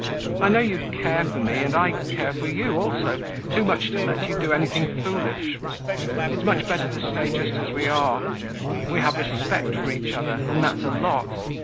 I know you care for me, and I care for you also, too much to let you do anything foolish. It's much better to stay just as we are. We have respect for each other and that's a lot.